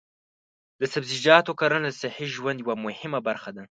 د سبزیجاتو کرنه د صحي ژوند یوه مهمه برخه ده.